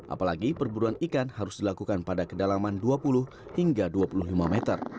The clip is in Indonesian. apalagi perburuan ikan harus dilakukan pada kedalaman dua puluh hingga dua puluh lima meter